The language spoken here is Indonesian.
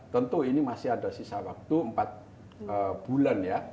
tentu ini masih ada sisa waktu empat bulan ya